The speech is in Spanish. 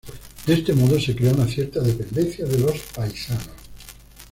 De este modo se crea una cierta dependencia de los paisanos.